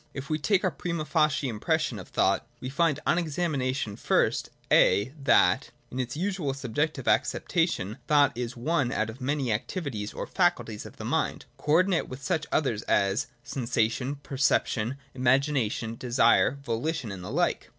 20.] If we take our prima facie impression of thought, we find on examination first (a) that, in its usual subjective acceptation, thought is one out of many activities or faculties of the mind, co ordinate with such others as sensation, perception, imagination, desire, voHtion, and the like.